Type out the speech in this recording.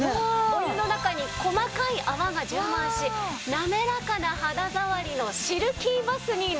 お湯の中に細かい泡が充満しなめらかな肌ざわりのシルキーバスになるんです！